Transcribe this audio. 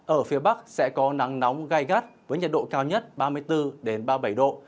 ở phía bắc sẽ có nắng nóng gai gắt với nhiệt độ cao nhất ba mươi bốn ba mươi bảy độ